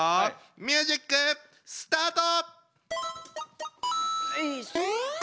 ミュージックスタート！